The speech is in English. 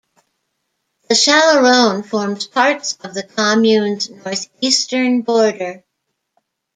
The Chalaronne forms parts of the commune's northeastern border.